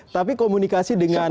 tapi komunikasi dengan